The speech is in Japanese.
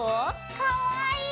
かわいい！